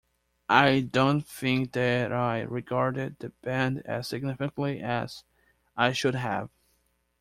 I don't think that I regarded the band as significantly as I should have.